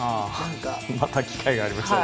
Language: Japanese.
また機会がありましたら。